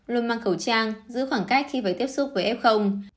luôn mang khẩu trang giữ khoảng cách khi phải tiếp xúc với ép không